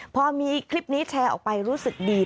พอมีคลิปนี้แชร์ออกไปรู้สึกดี